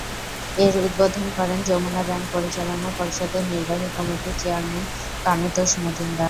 এর উদ্বোধন করেন যমুনা ব্যাংক পরিচালনা পর্ষদের নির্বাহী কমিটির চেয়ারম্যান কানুতোষ মজুমদার।